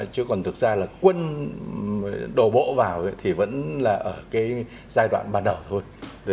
chứ còn thực ra là quân đổ bộ vào thì vẫn là ở cái giai đoạn ban đầu thôi